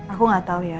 aku gak tau ya